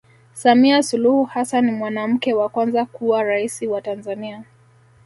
samia suluhu hassan ni mwanamke wa kwanza kuwa raisi wa tanzania